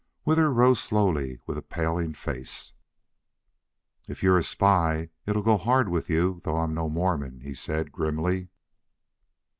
Withers rose slowly with a paling face. "If you're a spy it'll go hard with you though I'm no Mormon," he said, grimly.